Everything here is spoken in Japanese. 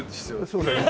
そうだよね。